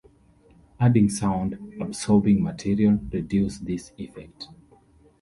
Adding sound-absorbing material reduced this effect.